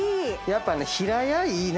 やっぱね。